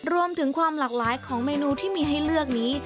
ความหลากหลายของเมนูที่มีให้เลือกนี้